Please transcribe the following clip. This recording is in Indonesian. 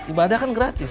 ibadah kan gratis